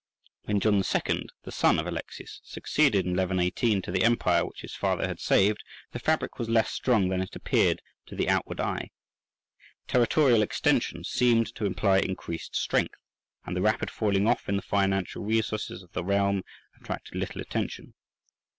When John II., the son of Alexius, succeeded in 1118 to the empire which his father had saved, the fabric was less strong than it appeared to the outward eye. Territorial extension seemed to imply increased strength, and the rapid falling off in the financial resources of the realm attracted little attention.